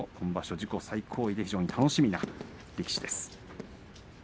自己最高位で楽しみな力士です。